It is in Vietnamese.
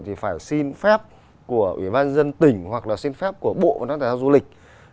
thì phải xin phép của ủy ban dân tỉnh hoặc là xin phép của bộ thải thao du lịch